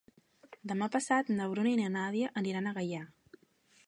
Demà passat na Bruna i na Nàdia aniran a Gaià.